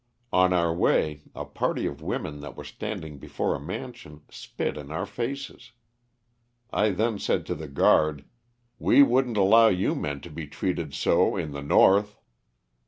Oa our way a party of women that were standing before a mansion spit in our faces. I then said to the guard :" We wouldn't allow you men to be treated so in the north."